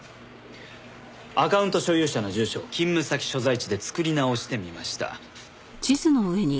アカウント所有者の住所を勤務先所在地で作り直してみました。